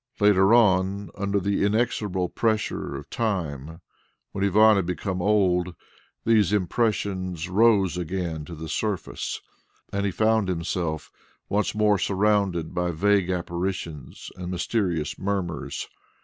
Later on, under the inexorable pressure of time when Ivan had become old, these impressions rose again to the surface, and he found himself once more surrounded by vague apparitions and mysterious murmurs.